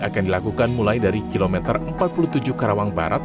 akan dilakukan mulai dari kilometer empat puluh tujuh karawang barat